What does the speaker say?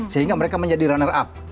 sehingga mereka menjadi runner up